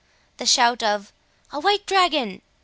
The shout of "A white dragon!